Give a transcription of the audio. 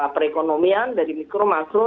perekonomian dari mikro makro